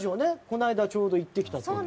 この間ちょうど行ってきたという。